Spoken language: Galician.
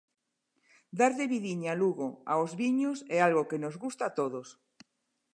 Darlle vidiña a Lugo, aos viños, é algo que nos gusta a todos.